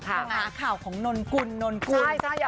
ฝังงานข่าวของนนด๊กุล